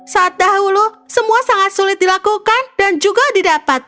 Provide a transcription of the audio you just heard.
saat dahulu semua sangat sulit dilakukan dan juga didapat